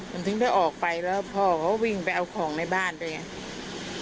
มันถึงได้ออกไปแล้วพ่อเขาวิ่งไปเอาของในบ้านด้วยไง